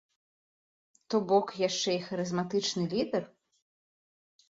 То бок, яшчэ і харызматычны лідар?